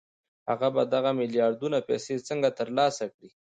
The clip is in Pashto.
هغه به دغه ميلياردونه پيسې څنګه ترلاسه کړي؟